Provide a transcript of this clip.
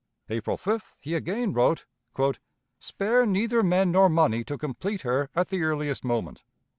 April 5th he again wrote: "Spare neither men nor money to complete her at the earliest moment.